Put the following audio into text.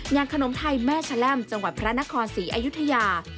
ขนมไทยแม่ชะแลมจังหวัดพระนครศรีอยุธยา